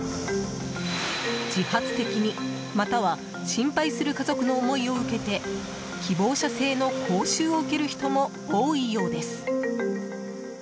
自発的に、または心配する家族の思いを受けて希望者制の講習を受ける人も多いようです。